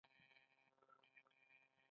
آیا له یوه سر تر بل سر ډیر لرې نه دی؟